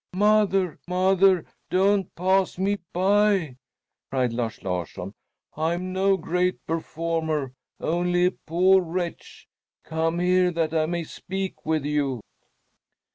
"Mother, mother, don't pass me by!" cried Lars Larsson. "I'm no great performer only a poor wretch. Come here that I may speak with you!"